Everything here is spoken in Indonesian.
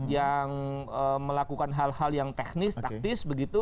yang melakukan hal hal yang teknis taktis begitu